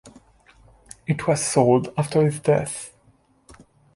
It was sold after his death.